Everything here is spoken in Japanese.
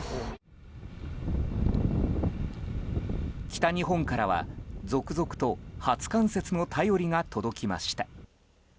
北日本からは続々と初冠雪の便りが届きました。